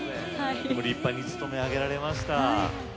立派に務め上げられました。